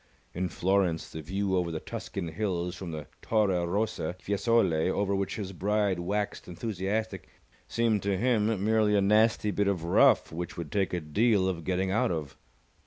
In Florence, the view over the Tuscan Hills from the Torre Rosa, Fiesole, over which his bride waxed enthusiastic, seemed to him merely a nasty bit of rough which would take a deal of getting out of.